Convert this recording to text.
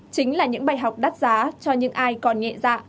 chính là những bài học đắt giá cho những ai còn nhẹ dạ